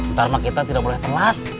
ntar mah kita tidak boleh telat